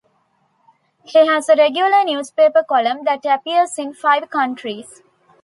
He has a regular newspaper column that appears in five countries.